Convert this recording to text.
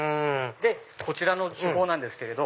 こちらの手法なんですけれど。